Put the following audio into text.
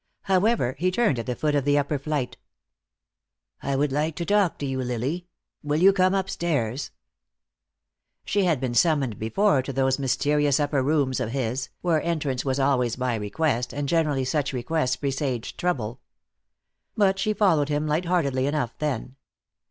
However, he turned at the foot of the upper flight. "I would like to talk to you, Lily. Will you come upstairs?" She had been summoned before to those mysterious upper rooms of his, where entrance was always by request, and generally such requests presaged trouble. But she followed him light heartedly enough then.